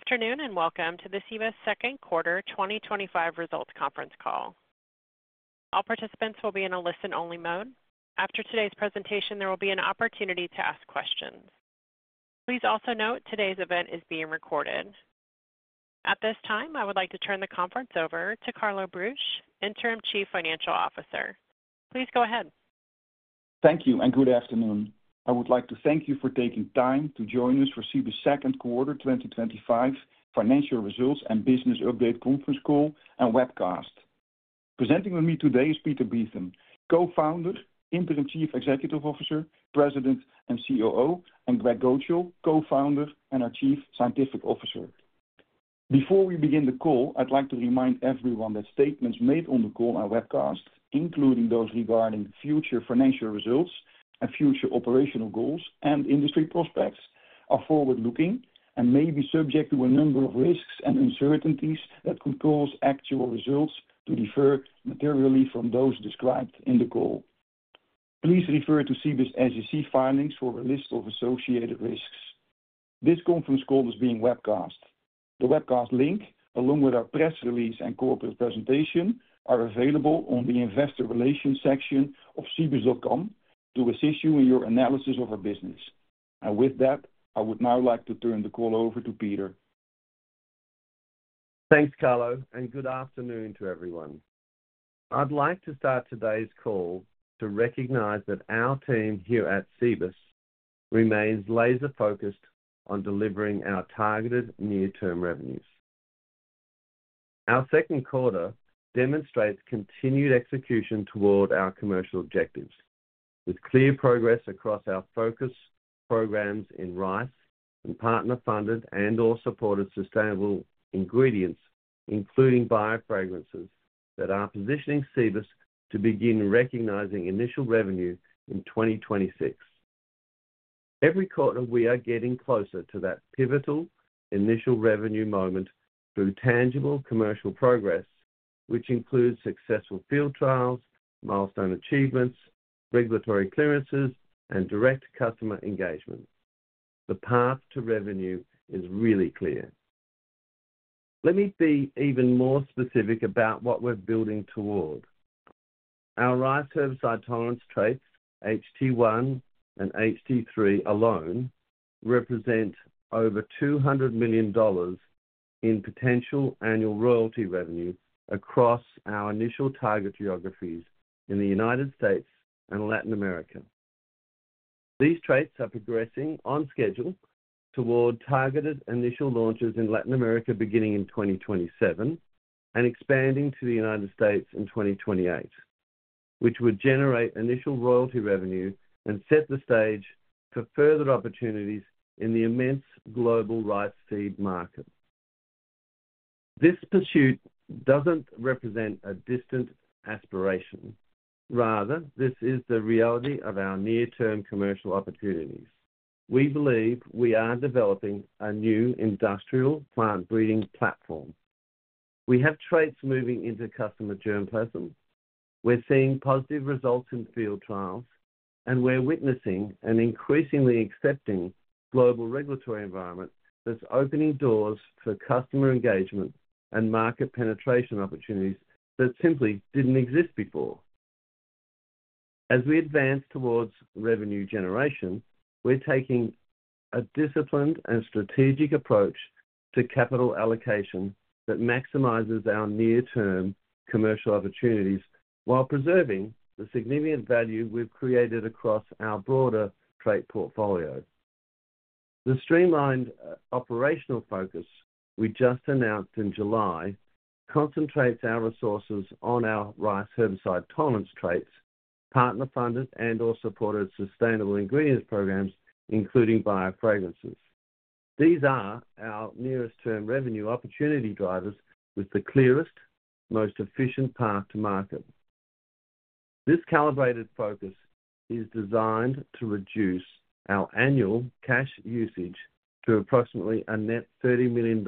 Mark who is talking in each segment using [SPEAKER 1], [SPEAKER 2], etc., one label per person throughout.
[SPEAKER 1] Afternoon and welcome to the Cibus Second Quarter 2025 Results Conference Call. All participants will be in a listen-only mode. After today's presentation, there will be an opportunity to ask questions. Please also note today's event is being recorded. At this time, I would like to turn the conference over to Carlo Broos, Interim Chief Financial Officer. Please go ahead.
[SPEAKER 2] Thank you and good afternoon. I would like to thank you for taking time to join us for Cibus's Second Quarter 2025 Financial Results and Business Update Conference Call and Webcast. Presenting with me today is Peter Beetham, Co-Founder, Interim Chief Executive Officer, President and COO, and Greg Gocal, Co-Founder and our Chief Scientific Officer. Before we begin the call, I'd like to remind everyone that statements made on the call and webcast, including those regarding future financial results and future operational goals and industry prospects, are forward-looking and may be subject to a number of risks and uncertainties that could cause actual results to differ materially from those described in the call. Please refer to Cibus's SEC filings for a list of associated risks. This conference call is being webcast. The webcast link, along with our press release and corporate presentation, are available on the investor relations section of cibus.com to assist you in your analysis of our business. I would now like to turn the call over to Peter.
[SPEAKER 3] Thanks, Carlo, and good afternoon to everyone. I'd like to start today's call to recognize that our team here at Cibus remains laser-focused on delivering our targeted near-term revenues. Our second quarter demonstrates continued execution toward our commercial objectives, with clear progress across our focus programs in rice and partner-funded and/or supported sustainable ingredients, including biofragrances, that are positioning Cibus to begin recognizing initial revenue in 2026. Every quarter, we are getting closer to that pivotal initial revenue moment through tangible commercial progress, which includes successful field trials, milestone achievements, regulatory clearances, and direct customer engagement. The path to revenue is really clear. Let me be even more specific about what we're building toward. Our rice herbicide tolerance traits, HT1 and HT3 alone, represent over $200 million in potential annual royalty revenue across our initial target geographies in the United States and Latin America. These traits are progressing on schedule toward targeted initial launches in Latin America beginning in 2027 and expanding to the United States in 2028, which would generate initial royalty revenue and set the stage for further opportunities in the immense global rice seed market. This pursuit doesn't represent a distant aspiration; rather, this is the reality of our near-term commercial opportunities. We believe we are developing a new industrial plant breeding platform. We have traits moving into customer germplasm. We're seeing positive results in field trials, and we're witnessing an increasingly accepting global regulatory environment that's opening doors for customer engagement and market penetration opportunities that simply didn't exist before. As we advance towards revenue generation, we're taking a disciplined and strategic approach to capital allocation that maximizes our near-term commercial opportunities while preserving the significant value we've created across our broader trait portfolio. The streamlined operational focus we just announced in July concentrates our resources on our rice herbicide tolerance traits, partner-funded and/or supported sustainable ingredients programs, including biofragrances. These are our nearest-term revenue opportunity drivers with the clearest, most efficient path to market. This calibrated focus is designed to reduce our annual cash usage to approximately a net $30 million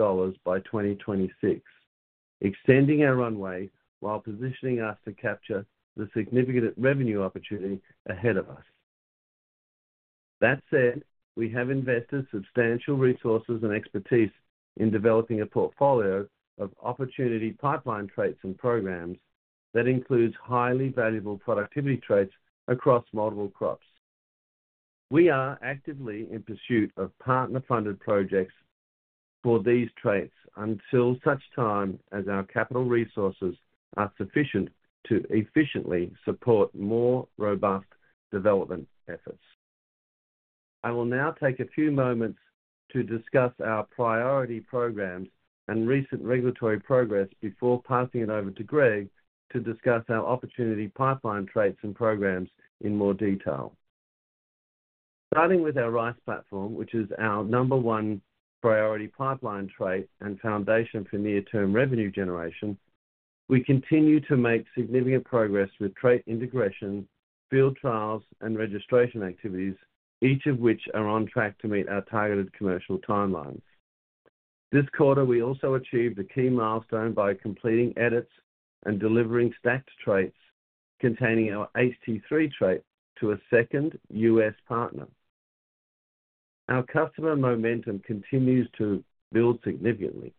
[SPEAKER 3] by 2026, extending our runway while positioning us to capture the significant revenue opportunity ahead of us. That said, we have invested substantial resources and expertise in developing a portfolio of opportunity pipeline traits and programs that include highly valuable productivity traits across multiple crops. We are actively in pursuit of partner-funded projects for these traits until such time as our capital resources are sufficient to efficiently support more robust development efforts. I will now take a few moments to discuss our priority programs and recent regulatory progress before passing it over to Greg to discuss our opportunity pipeline traits and programs in more detail. Starting with our rice platform, which is our number one priority pipeline trait and foundation for near-term revenue generation, we continue to make significant progress with trait integration, field trials, and registration activities, each of which are on track to meet our targeted commercial timelines. This quarter, we also achieved a key milestone by completing edits and delivering stacked traits containing our HT3 trait to a second U.S. partner. Our customer momentum continues to build significantly.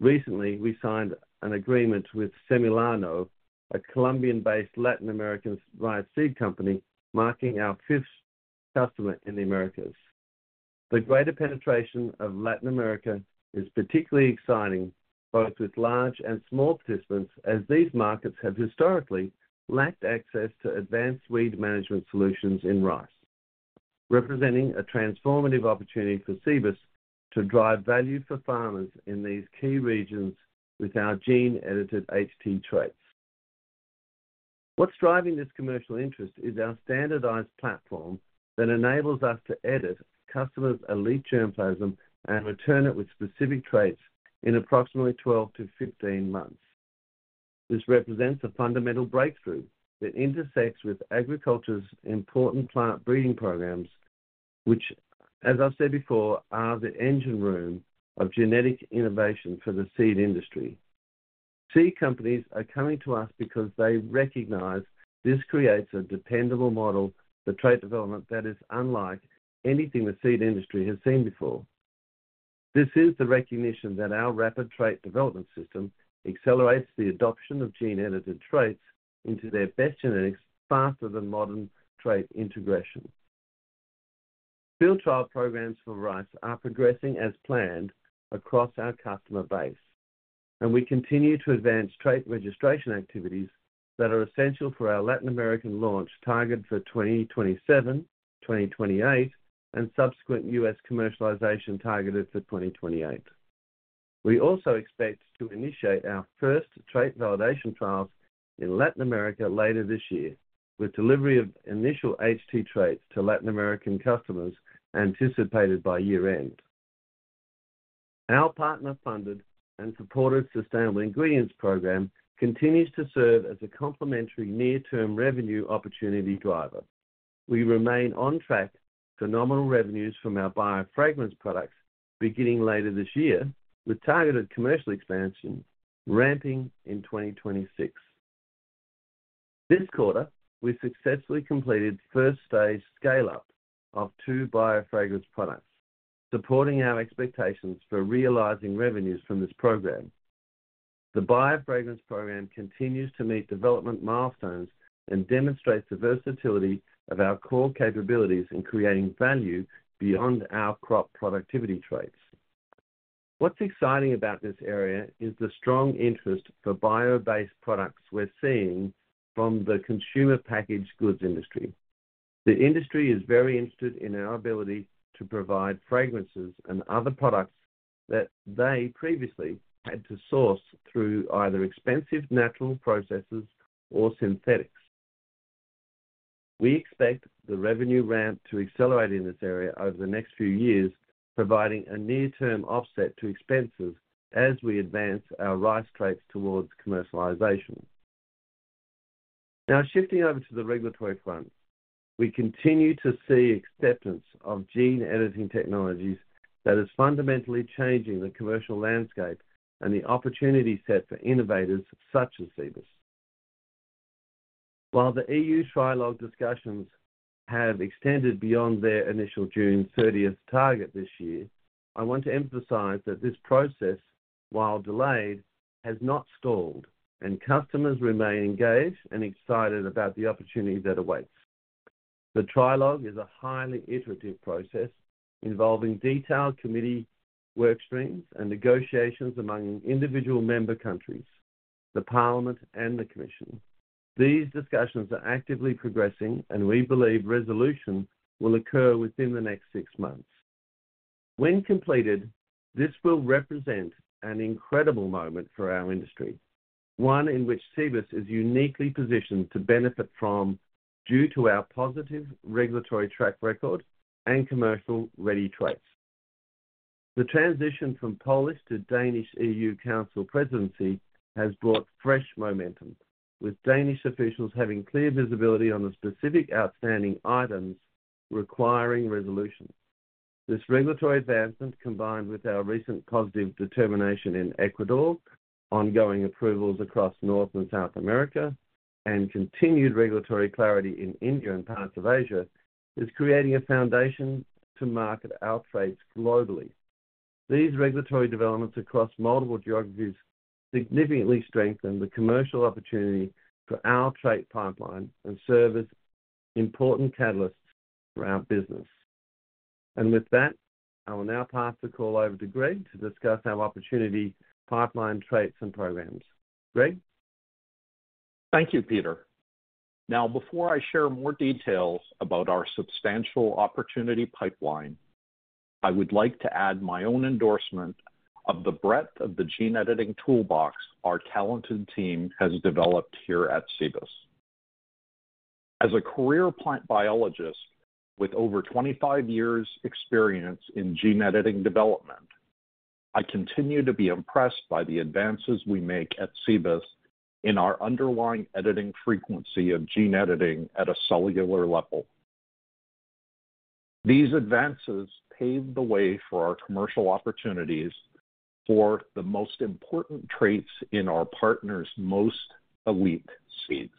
[SPEAKER 3] Recently, we signed an agreement with Semilano, a Colombian-based Latin American rice seed company, marking our fifth customer in the Americas. The greater penetration of Latin America is particularly exciting, both with large and small participants, as these markets have historically lacked access to advanced weed management solutions in rice, representing a transformative opportunity for Cibus to drive value for farmers in these key regions with our gene-edited HT traits. What's driving this commercial interest is our standardized platform that enables us to edit customers' elite germplasm and return it with specific traits in approximately 12 months-15 months. This represents a fundamental breakthrough that intersects with agriculture's important plant breeding programs, which, as I've said before, are the engine room of genetic innovation for the seed industry. Seed companies are coming to us because they recognize this creates a dependable model for trait development that is unlike anything the seed industry has seen before. This is the recognition that our rapid trait development system accelerates the adoption of gene-edited traits into their best genetics faster than modern trait integration. Field trial programs for rice are progressing as planned across our customer base, and we continue to advance trait registration activities that are essential for our Latin American launch targeted for 2027, 2028, and subsequent U.S. commercialization targeted for 2028. We also expect to initiate our first trait validation trials in Latin America later this year, with delivery of initial HT traits to Latin American customers anticipated by year-end. Our partner-funded and supported sustainable ingredients program continues to serve as a complementary near-term revenue opportunity driver. We remain on track for nominal revenues from our bio-based fermentation biofragrance products beginning later this year, with targeted commercial expansion ramping in 2026. This quarter, we successfully completed the first-stage scale-up of two biofragrance products, supporting our expectations for realizing revenues from this program. The biofragrance program continues to meet development milestones and demonstrates the versatility of our core capabilities in creating value beyond our crop productivity traits. What's exciting about this area is the strong interest for bio-based products we're seeing from the consumer packaged goods industry. The industry is very interested in our ability to provide fragrances and other products that they previously had to source through either expensive natural processes or synthetics. We expect the revenue ramp to accelerate in this area over the next few years, providing a near-term offset to expenses as we advance our rice traits towards commercialization. Now, shifting over to the regulatory front, we continue to see acceptance of gene-editing technologies that are fundamentally changing the commercial landscape and the opportunity set for innovators such as Cibus. While the EU trialogue discussions have extended beyond their initial June 30th target this year, I want to emphasize that this process, while delayed, has not stalled and customers remain engaged and excited about the opportunity that awaits. The trialogue is a highly iterative process involving detailed committee workstreams and negotiations among individual member countries, the Parliament, and the Commission. These discussions are actively progressing, and we believe resolution will occur within the next six months. When completed, this will represent an incredible moment for our industry, one in which Cibus is uniquely positioned to benefit from due to our positive regulatory track record and commercial-ready traits. The transition from Polish to Danish EU Council presidency has brought fresh momentum, with Danish officials having clear visibility on the specific outstanding items requiring resolution. This regulatory advancement, combined with our recent positive determination in Ecuador, ongoing approvals across North America and South America, and continued regulatory clarity in India and parts of Asia, is creating a foundation to market our traits globally. These regulatory developments across multiple geographies significantly strengthen the commercial opportunity for our trait pipeline and serve as important catalysts for our business. I will now pass the call over to Greg to discuss our opportunity pipeline traits and programs. Greg?
[SPEAKER 4] Thank you, Peter. Now, before I share more details about our substantial opportunity pipeline, I would like to add my own endorsement of the breadth of the gene-editing toolbox our talented team has developed here at Cibus. As a career plant biologist with over 25 years' experience in gene-editing development, I continue to be impressed by the advances we make at Cibus in our underlying editing frequency of gene editing at a cellular level. These advances pave the way for our commercial opportunities for the most important traits in our partners' most elite seeds.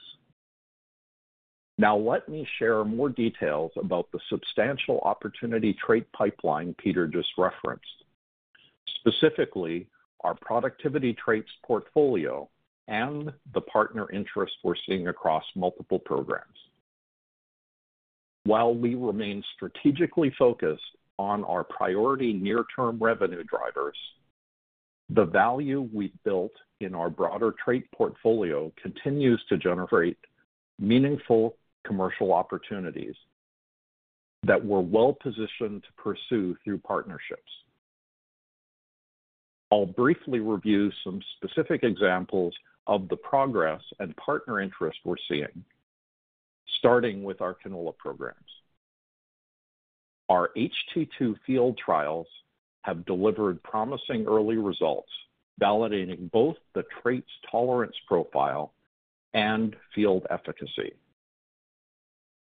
[SPEAKER 4] Now, let me share more details about the substantial opportunity trait pipeline Peter just referenced, specifically our productivity traits portfolio and the partner interest we're seeing across multiple programs. While we remain strategically focused on our priority near-term revenue drivers, the value we've built in our broader trait portfolio continues to generate meaningful commercial opportunities that we're well positioned to pursue through partnerships. I'll briefly review some specific examples of the progress and partner interest we're seeing, starting with our canola programs. Our HT2 field trials have delivered promising early results, validating both the trait's tolerance profile and field efficacy.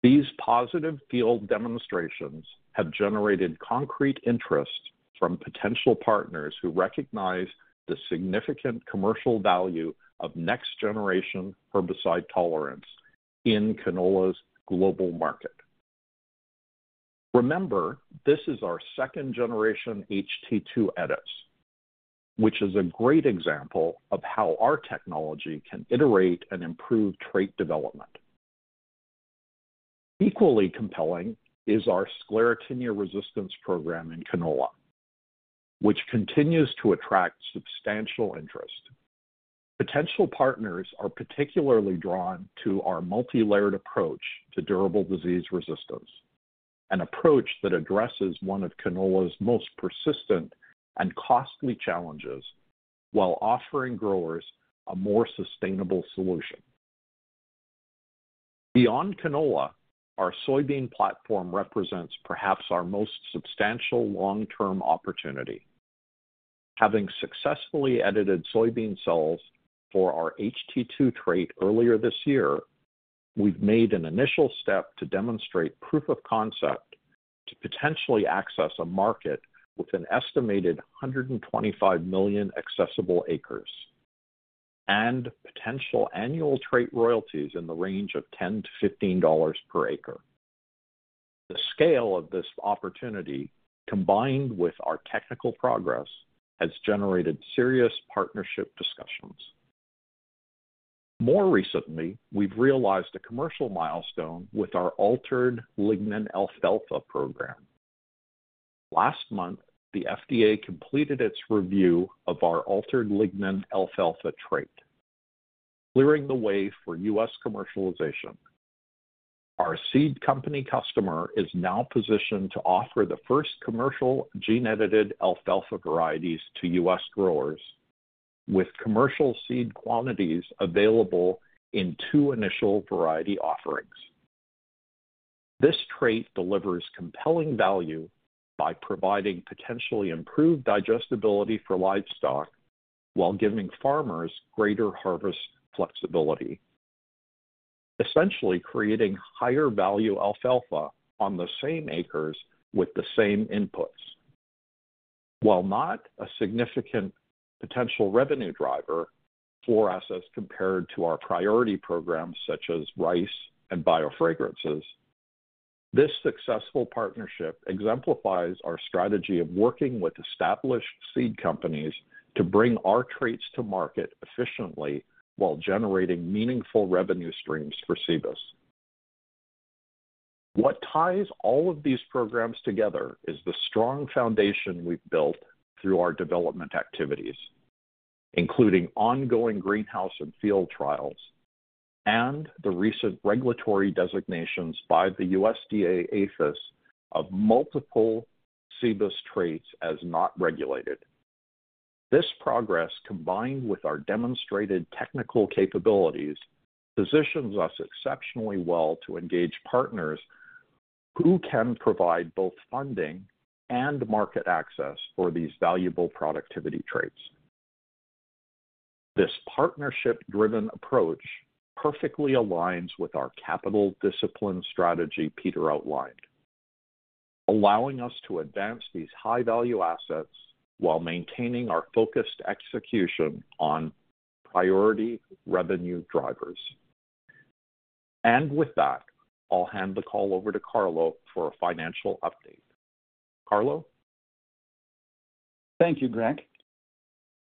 [SPEAKER 4] These positive field demonstrations have generated concrete interest from potential partners who recognize the significant commercial value of next-generation herbicide tolerance in canola's global market. Remember, this is our second-generation HT2 edits, which is a great example of how our technology can iterate and improve trait development. Equally compelling is our sclerotinia resistance program in canola, which continues to attract substantial interest. Potential partners are particularly drawn to our multi-layered approach to durable disease resistance, an approach that addresses one of canola's most persistent and costly challenges while offering growers a more sustainable solution. Beyond canola, our soybean platform represents perhaps our most substantial long-term opportunity. Having successfully edited soybean cells for our HT2 trait earlier this year, we've made an initial step to demonstrate proof of concept to potentially access a market with an estimated 125 million accessible acres and potential annual trait royalties in the range of $10-$15 per acre. The scale of this opportunity, combined with our technical progress, has generated serious partnership discussions. More recently, we've realized a commercial milestone with our altered lignin alfalfa program. Last month, the FDA completed its review of our altered lignin alfalfa trait, clearing the way for U.S. commercialization. Our seed company customer is now positioned to offer the first commercial gene-edited alfalfa varieties to U.S. growers, with commercial seed quantities available in two initial variety offerings. This trait delivers compelling value by providing potentially improved digestibility for livestock while giving farmers greater harvest flexibility, essentially creating higher-value alfalfa on the same acres with the same inputs. While not a significant potential revenue driver for us as compared to our priority programs such as rice and bio-based fermentation biofragrance products, this successful partnership exemplifies our strategy of working with established seed companies to bring our traits to market efficiently while generating meaningful revenue streams for Cibus. What ties all of these programs together is the strong foundation we've built through our development activities, including ongoing greenhouse and field trials and the recent regulatory designations by the USDA/APHIS of multiple Cibus traits as not regulated. This progress, combined with our demonstrated technical capabilities, positions us exceptionally well to engage partners who can provide both funding and market access for these valuable productivity traits. This partnership-driven approach perfectly aligns with our capital discipline strategy Peter outlined, allowing us to advance these high-value assets while maintaining our focused execution on priority revenue drivers. I'll hand the call over to Carlo for a financial update. Carlo.
[SPEAKER 2] Thank you, Greg.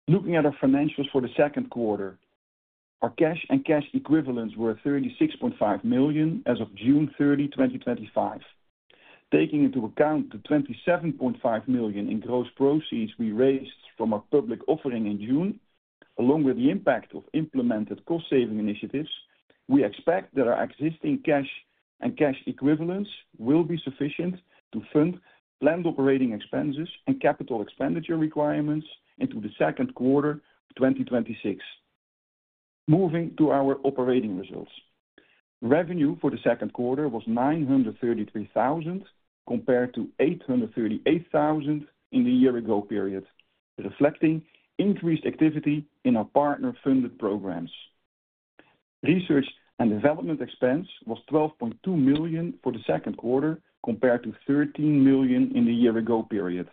[SPEAKER 2] Looking at our financials for the second quarter, our cash and cash equivalents were $36.5 million as of June 30, 2025. Taking into account the $27.5 million in gross proceeds we raised from our public offering in June, along with the impact of implemented cost-saving initiatives, we expect that our existing cash and cash equivalents will be sufficient to fund planned operating expenses and capital expenditure requirements into the second quarter of 2026. Moving to our operating results, revenue for the second quarter was $933,000 compared to $838,000 in the year-ago period, reflecting increased activity in our partner-funded programs. Research and development expense was $12.2 million for the second quarter compared to $13 million in the year-ago period.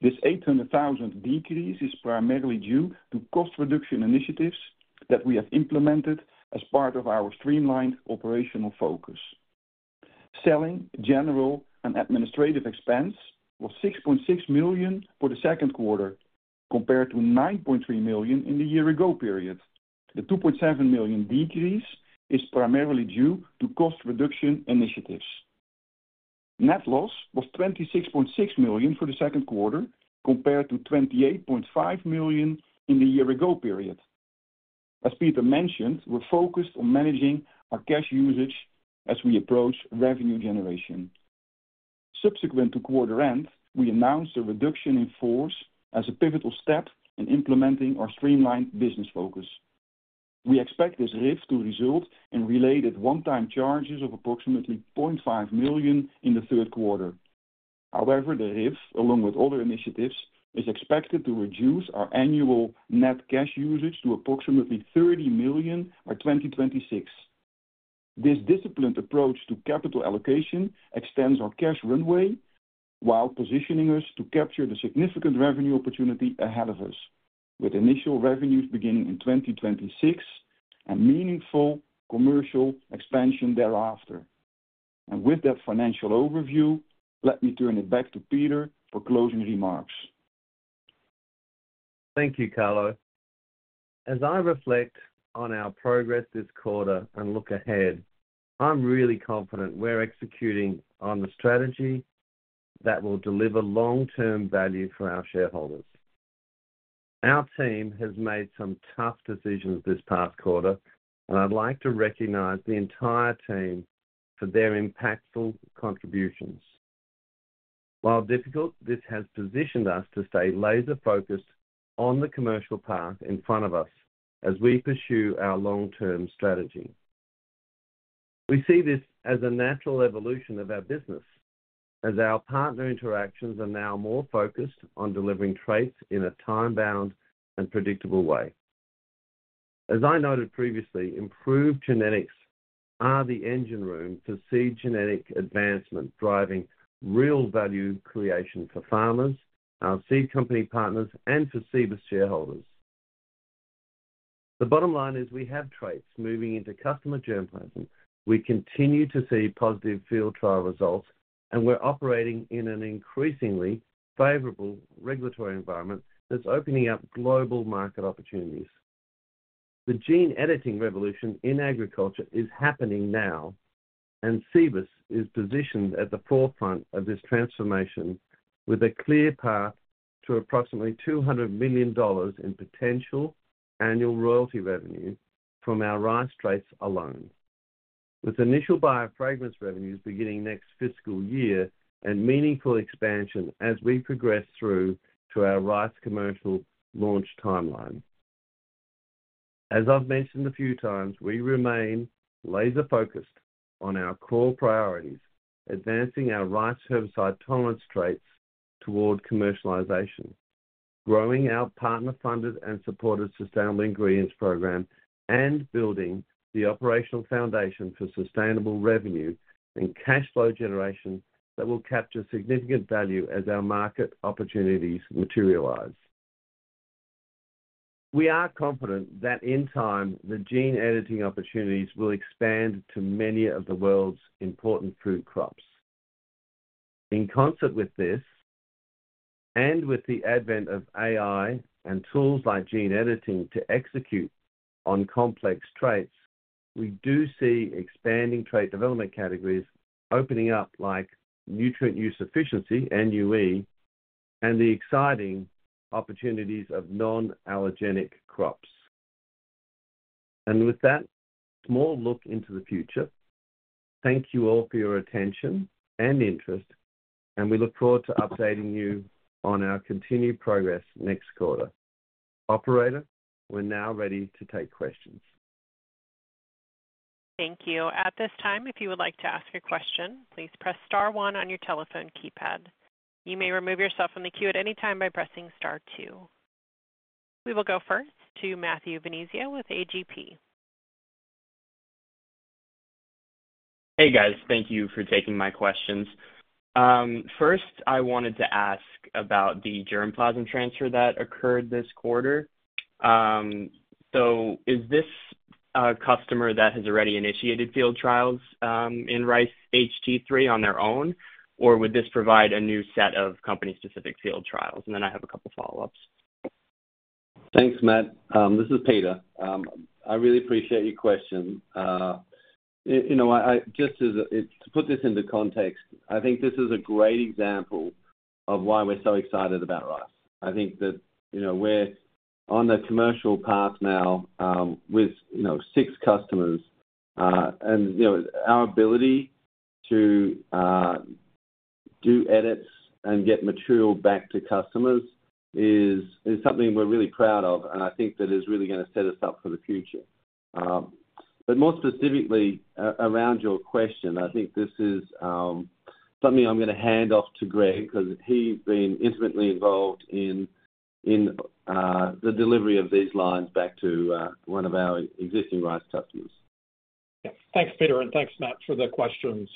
[SPEAKER 2] This $800,000 decrease is primarily due to cost reduction initiatives that we have implemented as part of our streamlined operational focus. Selling, general, and administrative expense was $6.6 million for the second quarter compared to $9.3 million in the year-ago period. The $2.7 million decrease is primarily due to cost reduction initiatives. Net loss was $26.6 million for the second quarter compared to $28.5 million in the year-ago period. As Peter mentioned, we're focused on managing our cash usage as we approach revenue generation. Subsequent to quarter end, we announced a reduction in force as a pivotal step in implementing our streamlined business focus. We expect this RIF to result in related one-time charges of approximately $0.5 million in the third quarter. However, the RIF, along with other initiatives, is expected to reduce our annual net cash usage to approximately $30 million by 2026. This disciplined approach to capital allocation extends our cash runway while positioning us to capture the significant revenue opportunity ahead of us, with initial revenues beginning in 2026 and meaningful commercial expansion thereafter. With that financial overview, let me turn it back to Peter for closing remarks.
[SPEAKER 3] Thank you, Carlo. As I reflect on our progress this quarter and look ahead, I'm really confident we're executing on the strategy that will deliver long-term value for our shareholders. Our team has made some tough decisions this past quarter, and I'd like to recognize the entire team for their impactful contributions. While difficult, this has positioned us to stay laser-focused on the commercial path in front of us as we pursue our long-term strategy. We see this as a natural evolution of our business, as our partner interactions are now more focused on delivering traits in a time-bound and predictable way. As I noted previously, improved genetics are the engine room for seed genetic advancement, driving real value creation for farmers, our seed company partners, and for Cibus shareholders. The bottom line is we have traits moving into customer germplasm. We continue to see positive field trial results, and we're operating in an increasingly favorable regulatory environment that's opening up global market opportunities. The gene editing revolution in agriculture is happening now, and Cibus is positioned at the forefront of this transformation with a clear path to approximately $200 million in potential annual royalty revenue from our rice traits alone, with initial biofragrance revenues beginning next fiscal year and meaningful expansion as we progress through to our rice commercial launch timeline. As I've mentioned a few times, we remain laser-focused on our core priorities, advancing our rice herbicide tolerance traits toward commercialization, growing our partner-funded and supported sustainable ingredients program, and building the operational foundation for sustainable revenue and cash flow generation that will capture significant value as our market opportunities materialize. We are confident that in time, the gene editing opportunities will expand to many of the world's important food crops. In concert with this and with the advent of AI and tools like gene editing to execute on complex traits, we do see expanding trait development categories opening up like nutrient use efficiency, NUE, and the exciting opportunities of non-allergenic crops. With that, a small look into the future. Thank you all for your attention and interest, and we look forward to updating you on our continued progress next quarter. Operator, we're now ready to take questions.
[SPEAKER 1] Thank you. At this time, if you would like to ask your question, please press star one on your telephone keypad. You may remove yourself from the queue at any time by pressing star two. We will go first to Matthew Venezia with AGP.
[SPEAKER 5] Hey, guys. Thank you for taking my questions. First, I wanted to ask about the germplasm transfer that occurred this quarter. Is this a customer that has already initiated field trials in rice HT3 on their own, or would this provide a new set of company-specific field trials? I have a couple of follow-ups.
[SPEAKER 3] Thanks, Matt. This is Peter. I really appreciate your question. Just to put this into context, I think this is a great example of why we're so excited about rice. I think that we're on the commercial path now with six customers, and our ability to do edits and get material back to customers is something we're really proud of, and I think that is really going to set us up for the future. More specifically around your question, I think this is something I'm going to hand off to Greg because he's been intimately involved in the delivery of these lines back to one of our existing rice customers.
[SPEAKER 4] Yeah. Thanks, Peter, and thanks, Matt, for the question.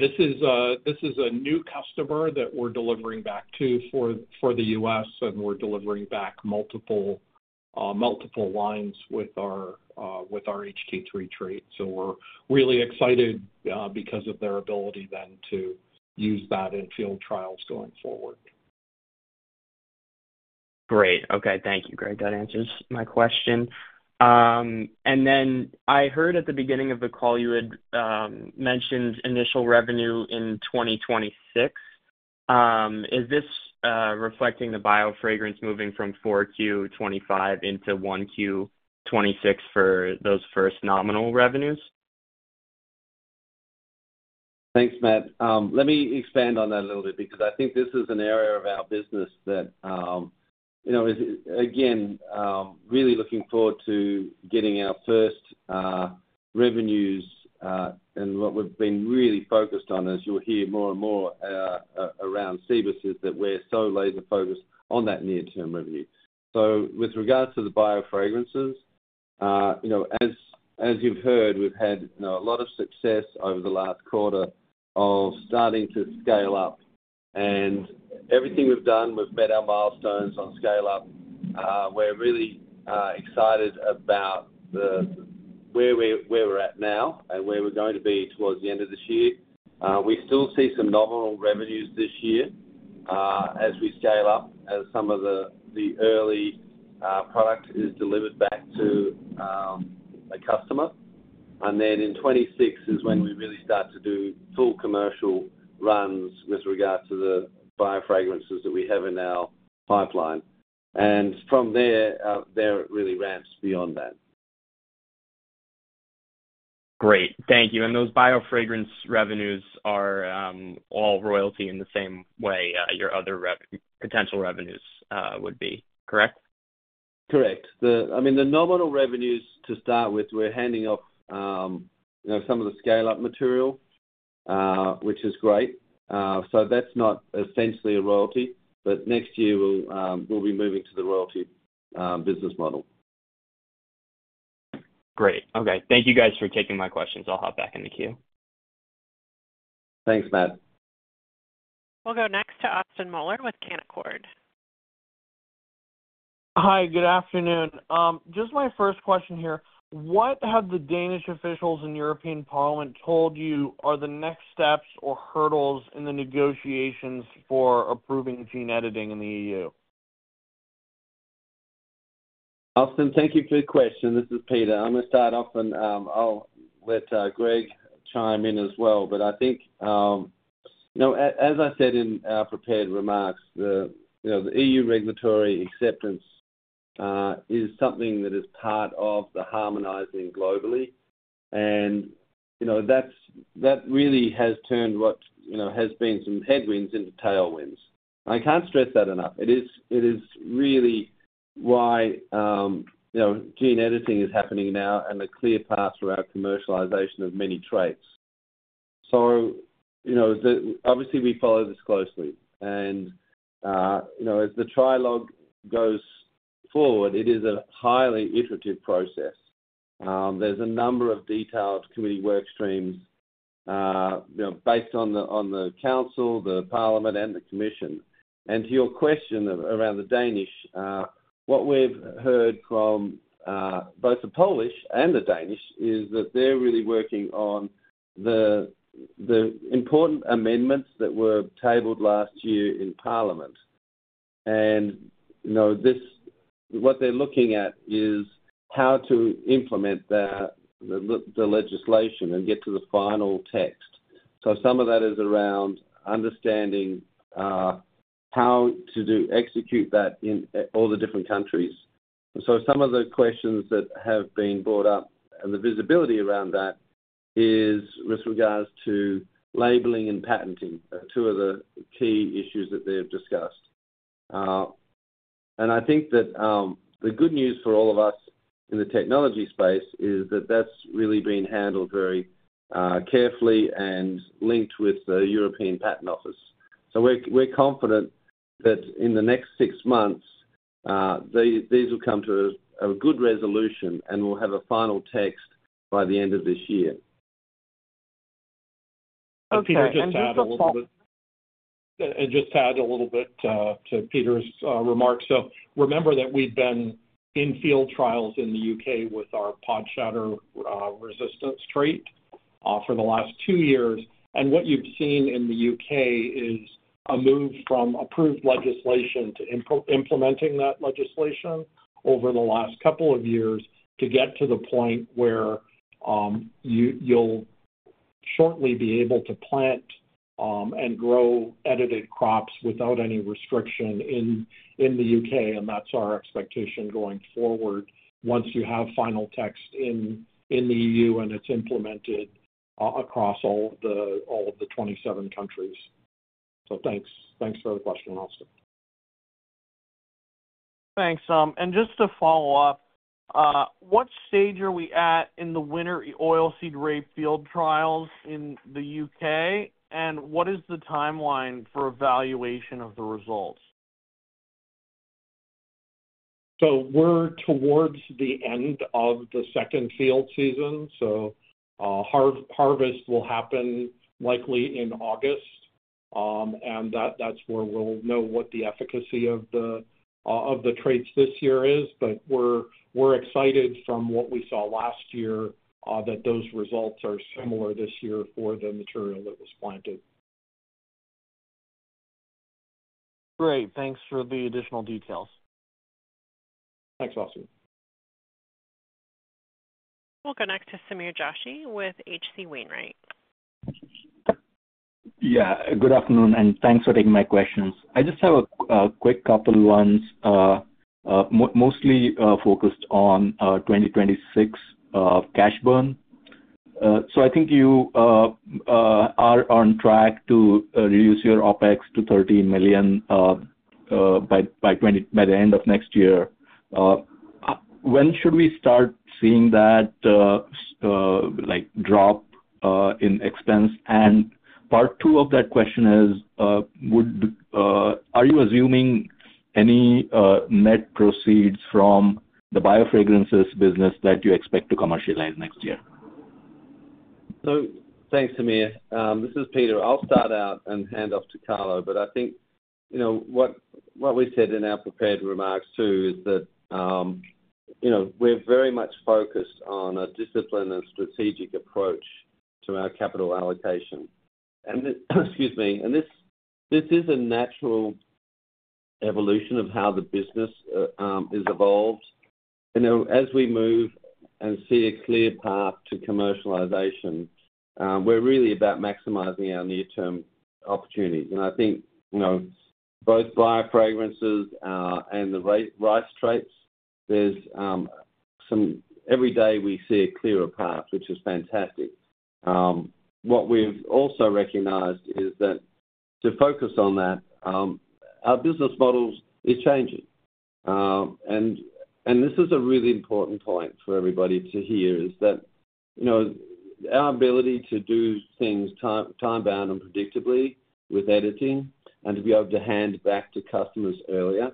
[SPEAKER 4] This is a new customer that we're delivering back to for the U.S., and we're delivering back multiple lines with our HT3 trait. We're really excited because of their ability then to use that in field trials going forward.
[SPEAKER 5] Great. Okay. Thank you, Greg. That answers my question. I heard at the beginning of the call you had mentioned initial revenue in 2026. Is this reflecting the bio-based fermentation biofragrance products moving from 4Q 2025 into 1Q 2026 for those first nominal revenues?
[SPEAKER 3] Thanks, Matt. Let me expand on that a little bit because I think this is an area of our business that is, again, really looking forward to getting our first revenues. What we've been really focused on, as you'll hear more and more around Cibus, is that we're so laser-focused on that near-term revenue. With regards to the bio-based biofragrance products, as you've heard, we've had a lot of success over the last quarter of starting to scale up. Everything we've done, we've met our milestones on scale-up. We're really excited about where we're at now and where we're going to be towards the end of this year. We still see some nominal revenues this year as we scale up, as some of the early product is delivered back to a customer. In 2026 is when we really start to do full commercial runs with regards to the bio-based biofragrance products that we have in our pipeline. From there, it really ramps beyond that.
[SPEAKER 5] Great. Thank you. Those bio-based fermentation biofragrance products revenues are all royalty in the same way your other potential revenues would be, correct?
[SPEAKER 3] Correct. I mean, the nominal revenues to start with, we're handing off some of the scale-up material, which is great. That's not essentially a royalty, but next year, we'll be moving to the royalty business model.
[SPEAKER 5] Great. Okay. Thank you guys for taking my questions. I'll hop back in the queue.
[SPEAKER 3] Thanks, Matt.
[SPEAKER 1] We'll go next to Austin Moeller with Canaccord.
[SPEAKER 6] Hi. Good afternoon. My first question here. What have the Danish officials in the European Parliament told you are the next steps or hurdles in the negotiations for approving gene editing in the EU?
[SPEAKER 3] Austin, thank you for your question. This is Peter. I'm going to start off, and I'll let Greg chime in as well. As I said in our prepared remarks, the EU regulatory acceptance is something that is part of the harmonizing globally. That really has turned what has been some headwinds into tailwinds. I can't stress that enough. It is really why gene editing is happening now and a clear path for our commercialization of many traits. Obviously, we follow this closely. As the trialogue goes forward, it is a highly iterative process. There's a number of detailed committee workstreams based on the Council, the Parliament, and the Commission. To your question around the Danish, what we've heard from both the Polish and the Danish is that they're really working on the important amendments that were tabled last year in Parliament. What they're looking at is how to implement the legislation and get to the final text. Some of that is around understanding how to execute that in all the different countries. Some of the questions that have been brought up and the visibility around that is with regards to labeling and patenting, two of the key issues that they've discussed. The good news for all of us in the technology space is that that's really being handled very carefully and linked with the European Patent Office. We're confident that in the next six months, these will come to a good resolution and we'll have a final text by the end of this year.
[SPEAKER 4] Okay. Just to follow up, and just to add a little bit to Peter's remarks, remember that we've been in field trials in the U.K. with our pod shatter resistance trait for the last two years. What you've seen in the UK is a move from approved legislation to implementing that legislation over the last couple of years to get to the point where you'll shortly be able to plant and grow edited crops without any restriction in the U.K. That's our expectation going forward once you have final text in the EU and it's implemented across all of the 27 countries. Thanks for the question, Austin.
[SPEAKER 6] Thanks. Just to follow up, what stage are we at in the winter oilseed rape field trials in the UK, and what is the timeline for evaluation of the results?
[SPEAKER 4] We're towards the end of the second field season. Our harvest will happen likely in August, and that's where we'll know what the efficacy of the traits this year is. We're excited from what we saw last year that those results are similar this year for the material that was planted.
[SPEAKER 6] Great. Thanks for the additional details.
[SPEAKER 4] Thanks, Austin.
[SPEAKER 1] We'll go next to Sameer Joshi with H.C. Wainwright.
[SPEAKER 7] Good afternoon, and thanks for taking my questions. I just have a quick couple of lines, mostly focused on 2026 cash burn. I think you are on track to reduce your OpEx to $13 million by the end of next year. When should we start seeing that drop in expense? Part two of that question is, are you assuming any net proceeds from the bio-based biofragrance products business that you expect to commercialize next year?
[SPEAKER 3] Thanks, Sameer. This is Peter. I'll start out and hand off to Carlo. What we said in our prepared remarks too is that we're very much focused on a disciplined and strategic approach to our capital allocation. Excuse me, this is a natural evolution of how the business has evolved. As we move and see a clear path to commercialization, we're really about maximizing our near-term opportunities. I think both bio-based fermentation biofragrance products and the rice traits, every day we see a clearer path, which is fantastic. What we've also recognized is that to focus on that, our business model is changing. This is a really important point for everybody to hear: our ability to do things time-bound and predictably with editing and to be able to hand back to customers earlier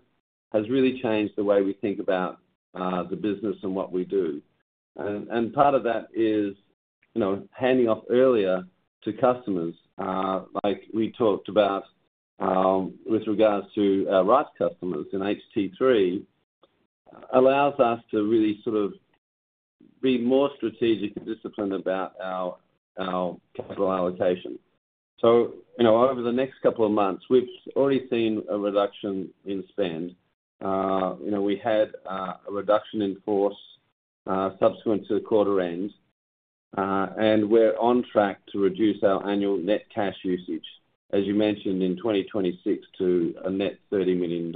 [SPEAKER 3] has really changed the way we think about the business and what we do. Part of that is handing off earlier to customers, like we talked about with regards to our rice customers in HT3, which allows us to really be more strategic and disciplined about our capital allocation. Over the next couple of months, we've already seen a reduction in spend. We had a reduction in force subsequent to the quarter end, and we're on track to reduce our annual net cash usage, as you mentioned, in 2026 to a net $30 million.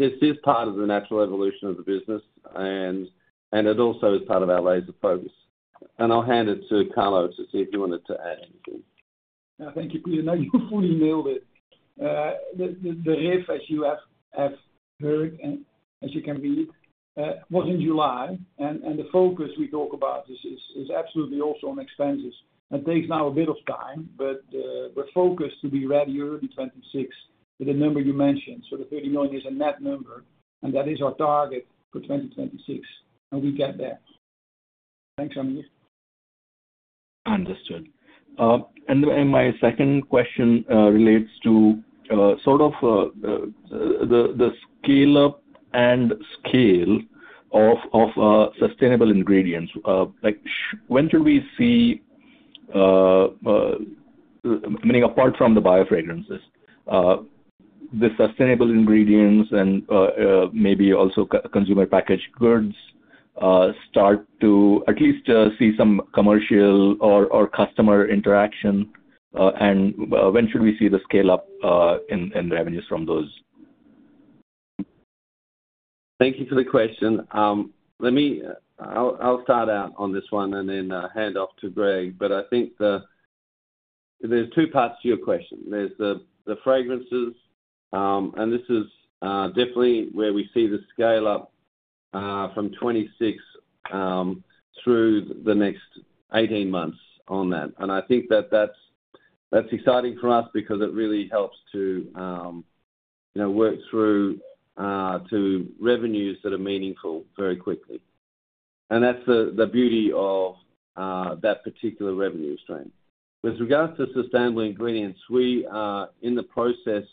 [SPEAKER 3] This is part of the natural evolution of the business, and it also is part of our laser focus. I'll hand it to Carlo to see if you wanted to add anything.
[SPEAKER 2] Yeah. Thank you, Peter. No, you fully nailed it. The RIF, as you have heard and as you can read, was in July. The focus we talk about is absolutely also on expenses. It takes now a bit of time, but we're focused to be ready early 2026 with the number you mentioned. The $30 million is a net number, and that is our target for 2026, and we'll get there. Thanks, Sameer.
[SPEAKER 7] Understood. My second question relates to the scale-up and scale of sustainable ingredients. When should we see, meaning apart from the bio biofragrance, the sustainable low carbon ingredient opportunities and maybe also consumer packaged goods start to at least see some commercial or customer interaction? When should we see the scale-up in revenues from those?
[SPEAKER 3] Thank you for the question. I'll start out on this one and then hand off to Greg. I think there's two parts to your question. There's the fragrances, and this is definitely where we see the scale-up from 2026 through the next 18 months on that. I think that that's exciting for us because it really helps to work through revenues that are meaningful very quickly. That's the beauty of that particular revenue stream. With regards to sustainable ingredients, we are in the process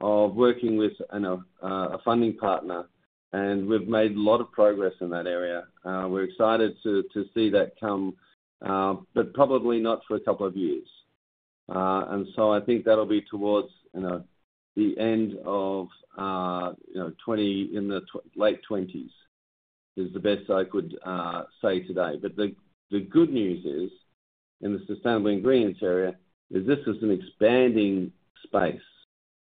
[SPEAKER 3] of working with a funding partner, and we've made a lot of progress in that area. We're excited to see that come, but probably not for a couple of years. I think that'll be towards the end of in the late 2020s is the best I could say today. The good news in the sustainable ingredients area is this is an expanding space.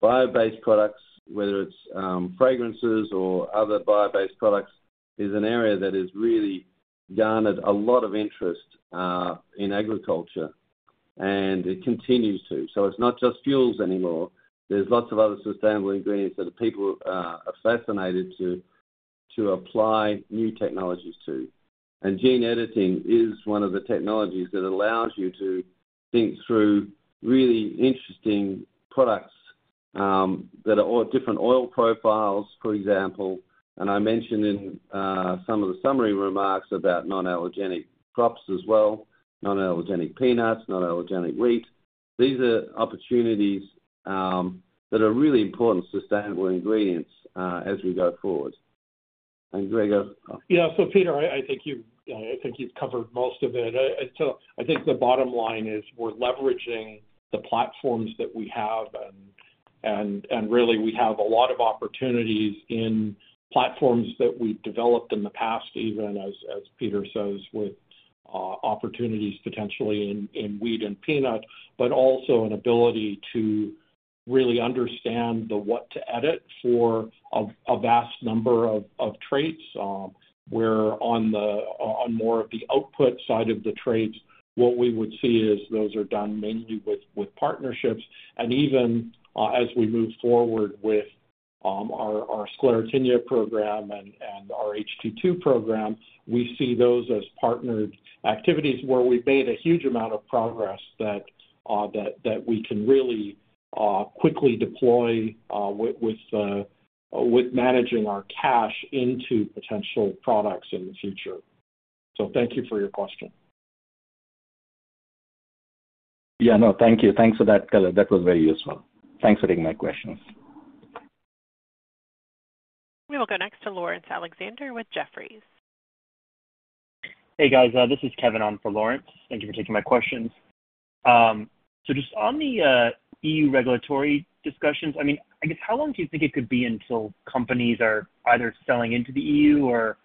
[SPEAKER 3] Bio-based products, whether it's fragrances or other bio-based products, is an area that has really garnered a lot of interest in agriculture, and it continues to. It's not just fuels anymore. There's lots of other sustainable ingredients that people are fascinated to apply new technologies to. Gene editing is one of the technologies that allows you to think through really interesting products that are different oil profiles, for example. I mentioned in some of the summary remarks about non-allergenic crops as well, non-allergenic peanuts, non-allergenic wheat. These are opportunities that are really important sustainable ingredients as we go forward. Greg.
[SPEAKER 4] Yeah. Peter, I think you've covered most of it. I think the bottom line is we're leveraging the platforms that we have, and really, we have a lot of opportunities in platforms that we developed in the past, even as Peter says, with opportunities potentially in wheat and peanut, but also an ability to really understand the what to edit for a vast number of traits. Where on more of the output side of the traits, what we would see is those are done mainly with partnerships. Even as we move forward with our sclerotinia program and our HT2 program, we see those as partnered activities where we've made a huge amount of progress that we can really quickly deploy with managing our cash into potential products in the future. Thank you for your question.
[SPEAKER 7] Thank you. Thanks for that color. That was very useful. Thanks for taking my questions.
[SPEAKER 1] We will go next to Laurence Alexander with Jefferies.
[SPEAKER 8] Hey, guys. This is Kevin on for Laurence. Thank you for taking my questions. On the EU regulatory discussions, how long do you think it could be until companies are either selling into the EU or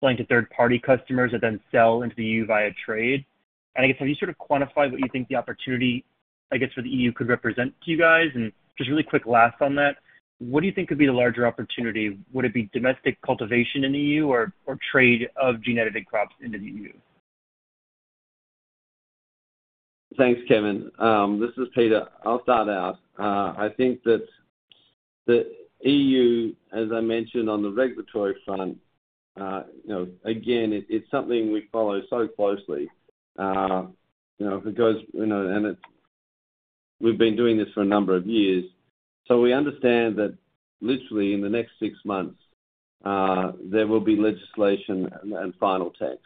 [SPEAKER 8] selling to third-party customers and then sell into the EU via trade? Have you sort of quantified what you think the opportunity for the EU could represent to you guys? Really quick last on that, what do you think could be the larger opportunity? Would it be domestic cultivation in the EU or trade of gene-edited crops into the EU?
[SPEAKER 3] Thanks, Kevin. This is Peter. I'll start out. I think that the EU, as I mentioned on the regulatory front, it's something we follow so closely. If it goes, and we've been doing this for a number of years, we understand that literally in the next six months, there will be legislation and final text.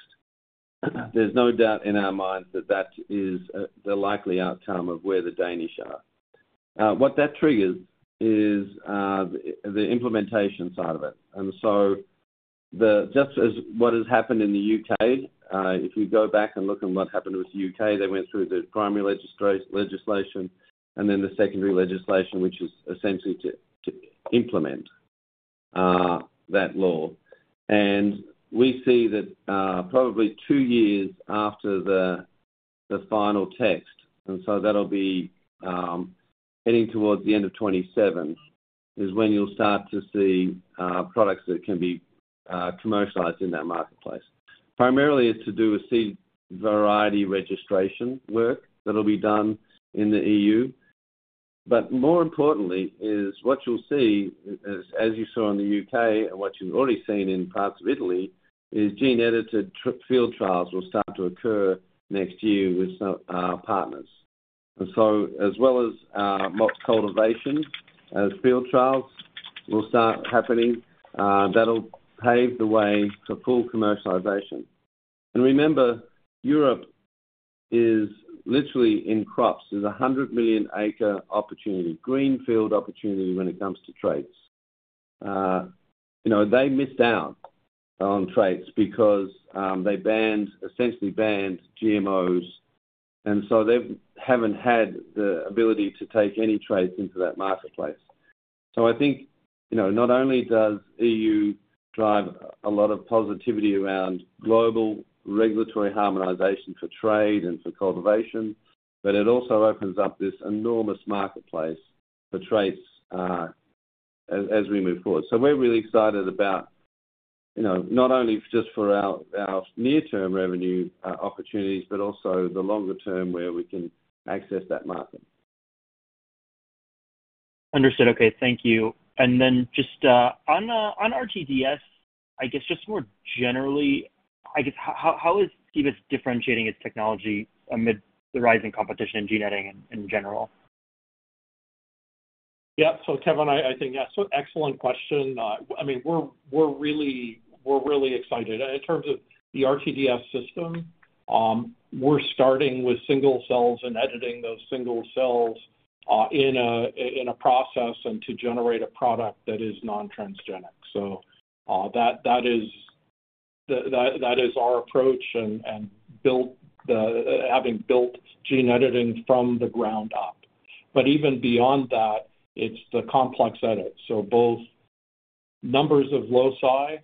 [SPEAKER 3] There's no doubt in our minds that that is the likely outcome of where the Danish are. What that triggers is the implementation side of it. Just as what has happened in the U.K., if you go back and look at what happened with the U.K., they went through the primary legislation and then the secondary legislation, which was essentially to implement that law. We see that probably two years after the final text, and that'll be heading towards the end of 2027, is when you'll start to see products that can be commercialized in that marketplace. Primarily, it's to do with seed variety registration work that'll be done in the EU. More importantly, what you'll see is, as you saw in the U.K. and what you've already seen in parts of Italy, gene-edited field trials will start to occur next year with some partners. As well as our cultivation field trials will start happening, that'll pave the way to full commercialization. Remember, Europe is literally in crops. There's a 100 million-acre opportunity, greenfield opportunity when it comes to traits. They missed out on traits because they essentially banned GMOs, and they haven't had the ability to take any traits into that marketplace. I think not only does the EU drive a lot of positivity around global regulatory harmonization for trade and for cultivation, it also opens up this enormous marketplace for traits as we move forward. We're really excited about not only just for our near-term revenue opportunities, but also the longer term where we can access that market.
[SPEAKER 8] Understood. Thank you. Just on RTDS, more generally, how is Cibus differentiating its technology amid the rising competition in gene editing in general?
[SPEAKER 4] Yeah. Kevin, I think that's an excellent question. I mean, we're really excited. In terms of the RTDS system, we're starting with single cells and editing those single cells in a process to generate a product that is non-transgenic. That is our approach and having built gene editing from the ground up. Even beyond that, it's the complex edit, both numbers of loci.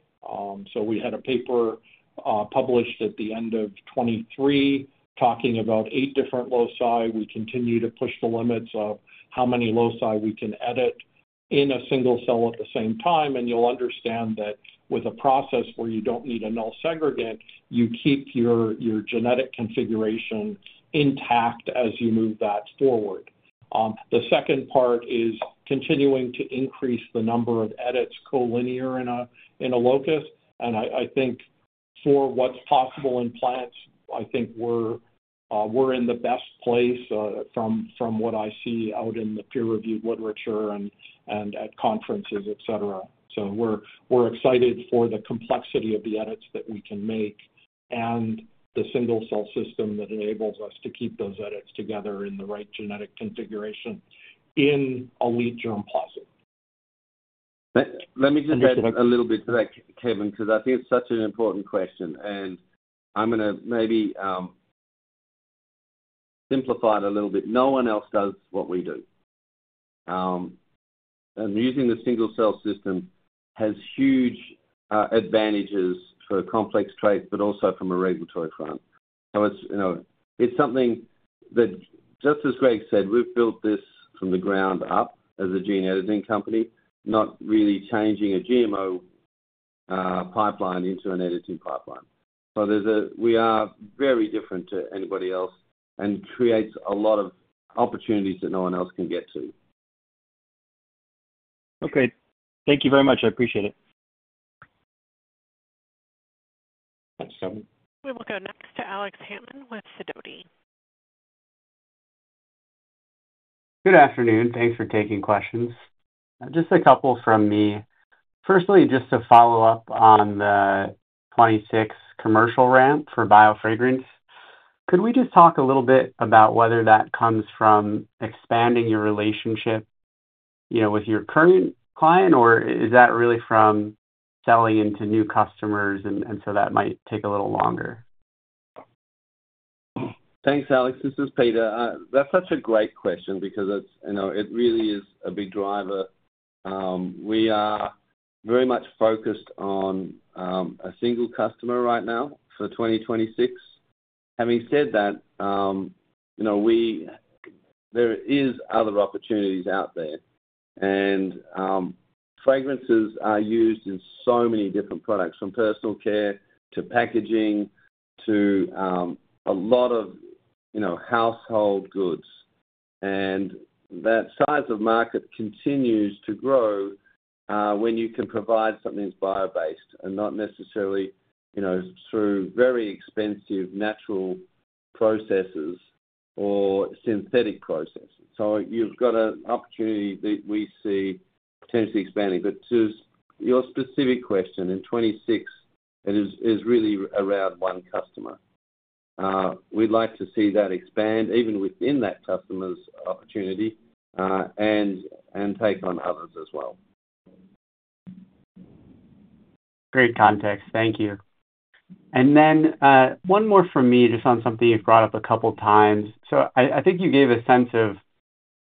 [SPEAKER 4] We had a paper published at the end of 2023 talking about eight different loci. We continue to push the limits of how many loci we can edit in a single cell at the same time. You'll understand that with a process where you don't need a null segregant, you keep your genetic configuration intact as you move that forward. The second part is continuing to increase the number of edits collinear in a locus. I think for what's possible in plants, we're in the best place from what I see out in the peer-reviewed literature and at conferences, etc. We're excited for the complexity of the edits that we can make and the single-cell system that enables us to keep those edits together in the right genetic configuration in elite germplasm.
[SPEAKER 3] Let me just add a little bit to that, Kevin, because I think it's such an important question. I'm going to maybe simplify it a little bit. No one else does what we do. Using the single-cell system has huge advantages for complex traits, but also from a regulatory front. It is something that, just as Greg said, we've built this from the ground up as a gene editing company, not really changing a GMO pipeline into an editing pipeline. We are very different to anybody else and it creates a lot of opportunities that no one else can get to.
[SPEAKER 8] Okay, thank you very much. I appreciate it.
[SPEAKER 1] We will go next to Alex Hammond with Fidelity.
[SPEAKER 9] Good afternoon. Thanks for taking questions. Just a couple from me. Firstly, just to follow up on the 2026 commercial ramp for bio-based fermentation biofragrance products, could we just talk a little bit about whether that comes from expanding your relationship with your current client, or is that really from selling into new customers? That might take a little longer.
[SPEAKER 3] Thanks, Alex. This is Peter. That's such a great question because it really is a big driver. We are very much focused on a single customer right now for 2026. Having said that, there are other opportunities out there. Fragrances are used in so many different products, from personal care to packaging to a lot of household goods. That size of market continues to grow when you can provide something that's bio-based and not necessarily through very expensive natural processes or synthetic processes. You've got an opportunity that we see potentially expanding. To your specific question, in 2026, it is really around one customer. We'd like to see that expand even within that customer's opportunity and take on others as well.
[SPEAKER 9] Great context. Thank you. One more for me just on something you've brought up a couple of times. I think you gave a sense of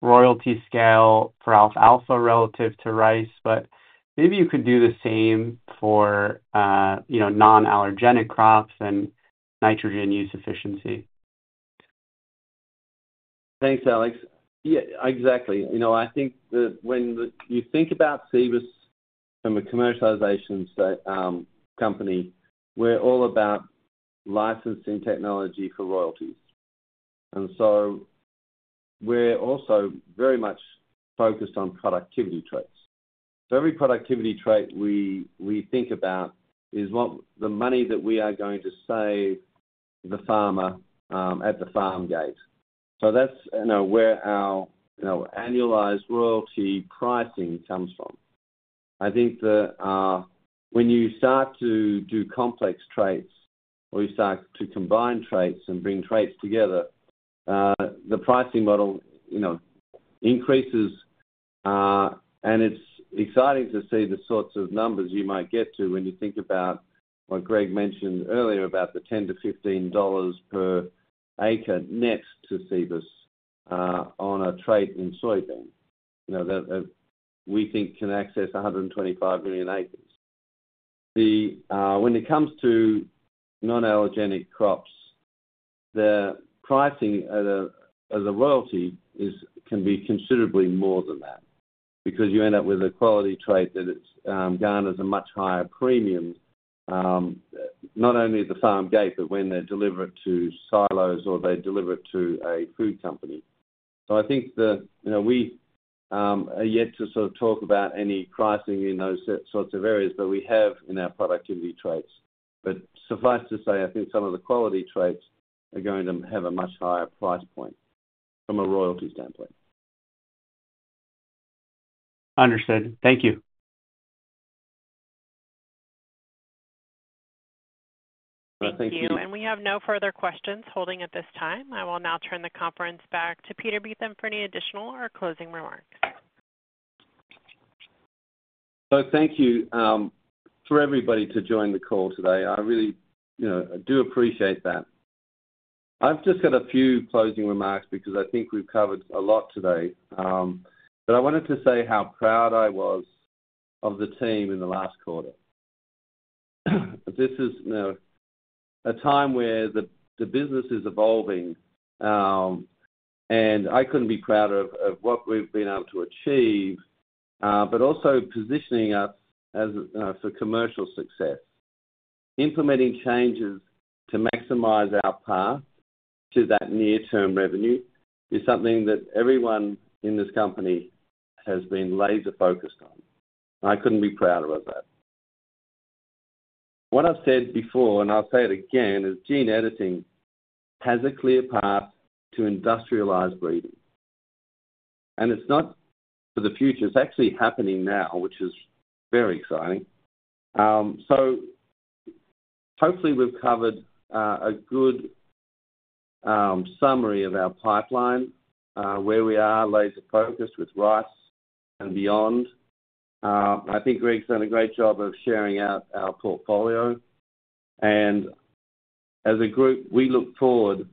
[SPEAKER 9] royalty scale for alfalfa relative to rice, but maybe you could do the same for non-allergenic crops and nutrient use efficiency.
[SPEAKER 3] Thanks, Alex. Yeah, exactly. I think that when you think about Cibus and the commercializations at the company, we're all about licensing technology for royalty. We're also very much focused on productivity traits. Every productivity trait we think about is what the money that we are going to save the farmer at the farm gate. That's where our annualized royalty pricing comes from. I think that when you start to do complex traits or you start to combine traits and bring traits together, the pricing model increases. It's exciting to see the sorts of numbers you might get to when you think about what Greg mentioned earlier about the $10-$15 per acre net to Cibus on a trait in soybean that we think can access 125 million acres. When it comes to non-allergenic crops, the pricing of the royalty can be considerably more than that because you end up with a quality trait that has garnered a much higher premium, not only at the farm gate, but when they deliver it to silos or they deliver it to a food company. I think that we are yet to sort of talk about any pricing in those sorts of areas that we have in our productivity traits. Suffice to say, I think some of the quality traits are going to have a much higher price point from a royalty standpoint.
[SPEAKER 9] Understood. Thank you.
[SPEAKER 3] Thank you.
[SPEAKER 1] Thank you. We have no further questions holding at this time. I will now turn the conference back to Peter Beetham for any additional or closing remarks.
[SPEAKER 3] Thank you for everybody to join the call today. I really do appreciate that. I've just got a few closing remarks because I think we've covered a lot today. I wanted to say how proud I was of the team in the last quarter. This is a time where the business is evolving, and I couldn't be prouder of what we've been able to achieve, but also positioning us for commercial success. Implementing changes to maximize our path to that near-term revenue is something that everyone in this company has been laser-focused on. I couldn't be prouder of that. What I've said before, and I'll say it again, is gene editing has a clear path to industrialized breeding. It's not for the future. It's actually happening now, which is very exciting. Hopefully, we've covered a good summary of our pipeline, where we are laser-focused with rice and beyond. I think Greg's done a great job of sharing out our portfolio. As a group, we look forward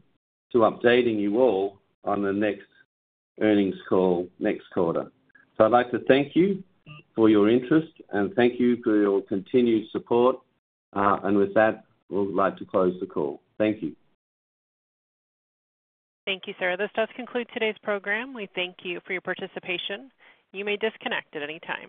[SPEAKER 3] to updating you all on the next earnings call next quarter. I'd like to thank you for your interest and thank you for your continued support. With that, we would like to close the call. Thank you.
[SPEAKER 1] Thank you, sir. This does conclude today's program. We thank you for your participation. You may disconnect at any time.